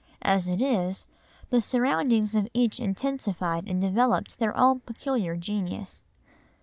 As it is, the surroundings of each intensified and developed their own peculiar genius.